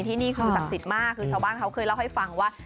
ที่นี่คือศักดิ์สิทธิ์มากคือชาวบ้านเขาเคยเล่าให้ฟังว่า